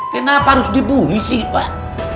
kenapa harus dibully sih pak